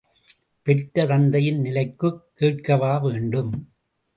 பெற்ற தந்தையின் நிலைக்குக் கேட்கவா வேண்டும்!